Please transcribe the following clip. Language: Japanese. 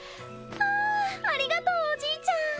あありがとうおじいちゃん。